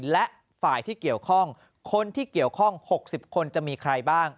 และฝ่ายที่เกี่ยวข้องคนที่เกี่ยวข้อง๖๐คนจะมีใครบ้าง